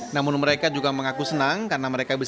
namun mereka juga mengaku senang karena mereka bisa